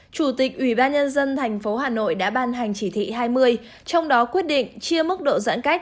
chủ tịch ubnd tp hà nội đã ban hành chỉ thị hai mươi trong đó quyết định chia mức độ giãn cách